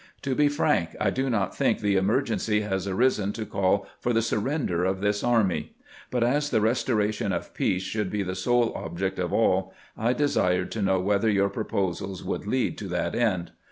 To be frank, I do not think the emergency has arisen to call for the surrender of this army ; but as the restora tion of peace should be the sole object of aU, I desired to know whether your proposals would lead to that end.